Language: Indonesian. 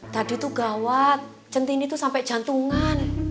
tadi tuh gawat centini tuh sampai jantungan